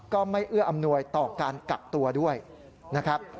ไม่เอื้ออำนวยต่อการกักตัวด้วยนะครับ